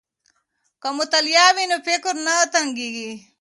که مطالع وي نو فکر نه تنګیږي.